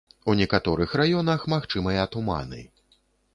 У некаторых раёнах магчымыя туманы.